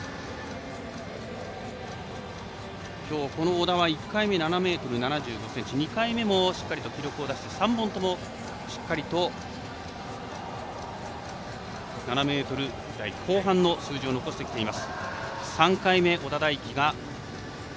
この小田は１回目７ｍ７５ｃｍ２回目も記録を残して３本とも７ｍ台後半の数字を残してきています。